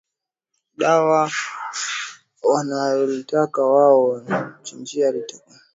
dawa wanalolitaka wao kumwachia litakapolipwa na klabu hiyo ya lii